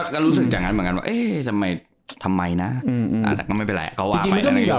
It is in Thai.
ก็รู้สึกจากงั้นเหมือนกันว่าเอ๊ะทำไมนะแต่ก็ไม่เป็นไรก็ว่าไปในโลกตัวอย่าง